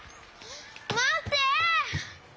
まって！